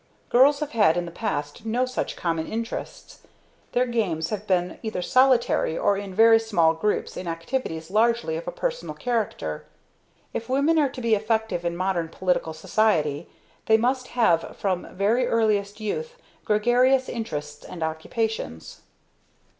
Girls have had in the past no such common interests. Their games have been either solitary or in very small groups in activities largely of a personal character. If women are to be effective in modern political society, they must have from very earliest youth gregarious interests and occupations.